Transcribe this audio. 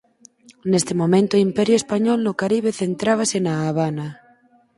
Neste momento o imperio español no Caribe centrábase na Habana.